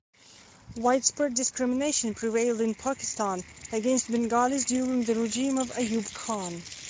Widespread discrimination prevailed in Pakistan against Bengalis during the regime of Ayub Khan.